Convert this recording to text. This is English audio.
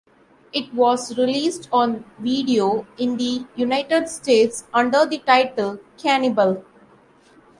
It was released on video in the United States under the title "Cannibal".